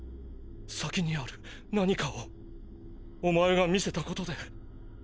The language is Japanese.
先にある何かをお前が見せたことで。